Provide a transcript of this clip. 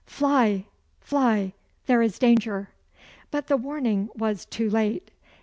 "Fly! fly! there is danger." But the warning was too late.